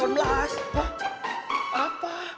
masih ada panjangnya cowok